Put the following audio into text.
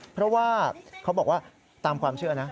เพราะว่าเขาบอกว่าตามความเชื่อนะ